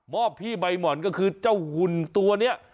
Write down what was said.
อบพี่ใบหม่อนก็คือเจ้าหุ่นตัวนี้